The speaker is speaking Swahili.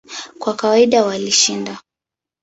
Kwa kawaida walishinda.